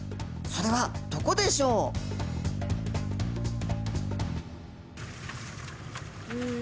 それはどこでしょう？